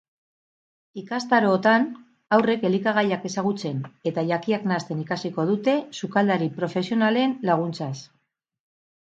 Ikastarootan haurrek elikagaiak ezagutzen eta jakiak nahasten ikasiko dute sukaldari profesionalen laguntzaz.